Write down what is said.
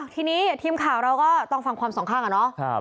ทีนี้ทีมข่าวเราก็ต้องฟังความสองข้างอ่ะเนาะ